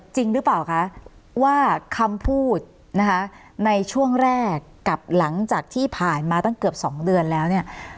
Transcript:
จริงหรือเปล่าคะว่าคำพูดนะคะในช่วงแรกกับหลังจากที่ผ่านมาตั้งเกือบ๒เดือนแล้วเนี่ย